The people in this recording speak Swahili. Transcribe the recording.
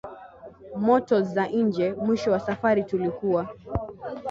motors za nje mwisho wa safari tulikuwa